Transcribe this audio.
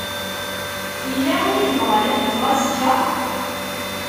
Yella win i yebɣan ad iffeɣ azekka?